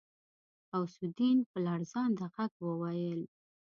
غوث الدين په لړزانده غږ وويل.